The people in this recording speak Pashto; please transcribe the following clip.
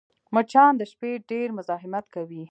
مچان د شپې ډېر مزاحمت کوي